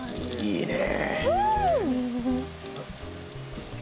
いいね！